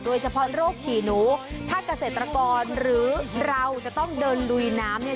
โดยเฉพาะโรคฉี่หนูถ้าเกษตรกรหรือเราจะต้องเดินลุยน้ำเนี่ย